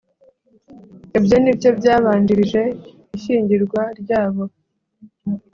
ibyo ni byo byabanjirije ishyingirwa ryabo